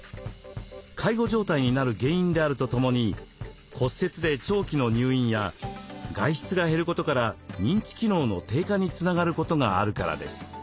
介護状態になる原因であるとともに骨折で長期の入院や外出が減ることから認知機能の低下につながることがあるからです。